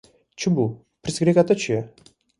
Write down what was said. Çi bû, pirsgirêka te çi ye?